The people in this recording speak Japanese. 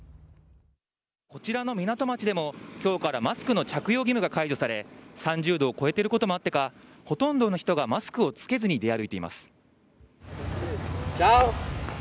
こちらの港町でも、きょうからマスクの着用義務が解除され、３０度を超えていることもあってか、ほとんどの人がマスクを着けずに出歩いています。